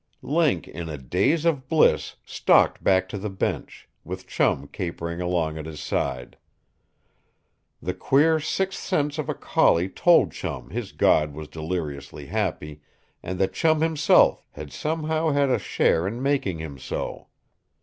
Link, in a daze of bliss, stalked back to the bench; with Chum capering along at his side. The queer sixth sense of a collie told Chum his god was deliriously happy, and that Chum himself had somehow had a share in making him so.